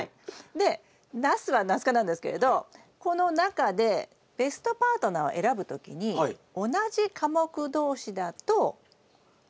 でナスはナス科なんですけれどこの中でベストパートナーを選ぶ時に同じ科目同士だとよくないことがある。